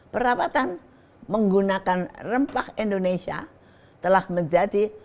perawatan menggunakan rempah indonesia telah menjadi